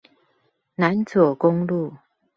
南左公路